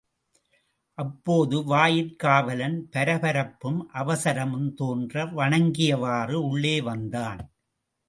அப்போது வாயிற்காவலன் பரபரப்பும் அவசரமும் தோன்ற வணங்கியவாறு உள்ளே வந்தான்.